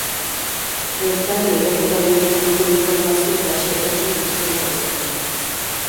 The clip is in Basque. Bertan, lehiaketaren inguruko informazio eta xehetasun guztiak daude.